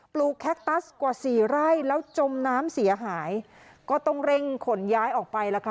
ลูกแคคตัสกว่าสี่ไร่แล้วจมน้ำเสียหายก็ต้องเร่งขนย้ายออกไปล่ะค่ะ